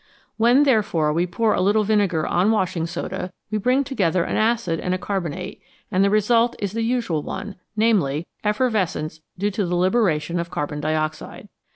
When, therefore, we pour a little vinegar on washing soda we bring together an acid and a carbonate, and the result is the usual one, namely, effervescence due to the liberation of carbon dioxide.